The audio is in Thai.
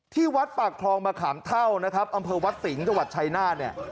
ที่วัดปากคลองมะขามเท่านะครับอำเภอวัดสิงห์จังหวัดชายนาฏเนี่ย